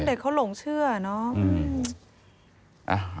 เด็กเขาหลงเชื่อเนาะ